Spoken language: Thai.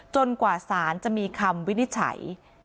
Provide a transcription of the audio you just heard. กว่าสารจะมีคำวินิจฉัย